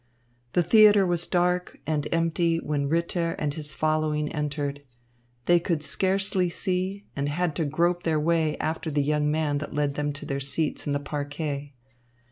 The theatre was dark and empty when Ritter and his following entered. They could scarcely see and had to grope their way after the young man that led them to seats in the parquet.